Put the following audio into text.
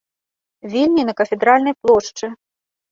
Вільні на кафедральнай плошчы.